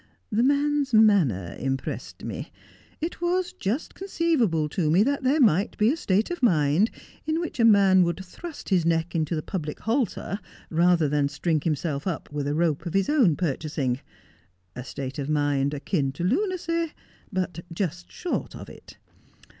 The man's manner impressed me. It was just con ceivable to me that there might be a state of mind in which a man would thrust his neck into the public halter rather than string himself up with a rope of his own purchasing — a state of mind akin to lunacy, but just short of it.